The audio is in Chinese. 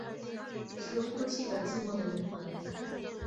是哭泣的寂寞的灵魂